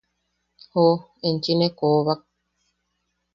–¡Joo, enchi ne koobak!